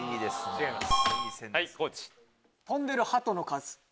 違います。